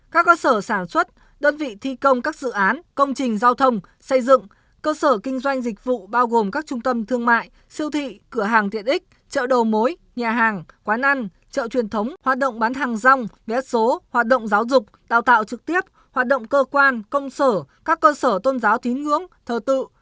các cơ sở sản xuất đơn vị thi công các dự án công trình giao thông xây dựng cơ sở kinh doanh dịch vụ bao gồm các trung tâm thương mại siêu thị cửa hàng tiện ích chợ đầu mối nhà hàng quán ăn chợ truyền thống hoạt động bán hàng rong bé số hoạt động giáo dục đào tạo trực tiếp hoạt động cơ quan công sở các cơ sở tôn giáo tín ngưỡng thờ tự